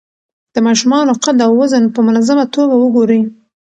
د ماشومانو قد او وزن په منظمه توګه وګورئ.